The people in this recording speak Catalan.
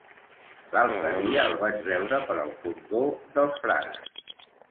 L'altre dia el vaig veure per el Fondó dels Frares.